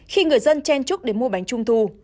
khi người dân chen trúc để mua bánh trung thu